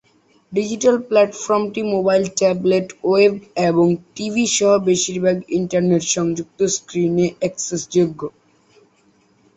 Digital প্ল্যাটফর্মটি mobile, tablet, web এবং TV সহ বেশিরভাগ ইন্টারনেট-সংযুক্ত স্ক্রিনে অ্যাক্সেসযোগ্য।